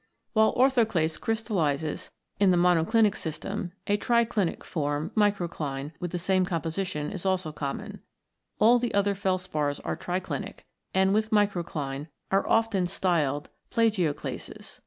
While Orthoclase crystallises in 10 ROCKS AND THEIR ORIGINS [CH. the monoclinic system, a triclinic form, Microcline, with the same composition, is also common. All the other felspars are triclinic, and, with microcline, are often styled plagio clases.